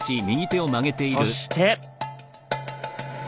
そして。